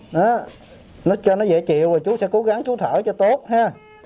nó cho nó dễ chịu rồi chú sẽ cố gắng chú thở cho tốt ha